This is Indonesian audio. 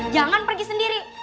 jangan pergi sendiri